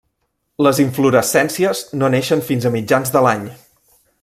Les inflorescències no neixen fins a mitjans de l'any.